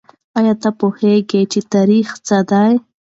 آیا ته پوهېږې چې تاریخ څه دی؟